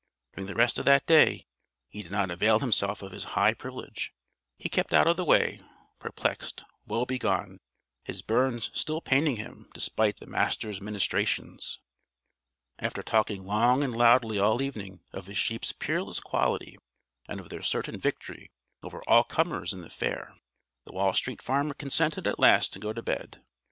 During the rest of that day he did not avail himself of his high privilege. He kept out of the way perplexed, woe begone, his burns still paining him despite the Master's ministrations. After talking long and loudly all evening of his sheep's peerless quality and of their certain victory over all comers in the fair the Wall Street Farmer consented at last to go to bed.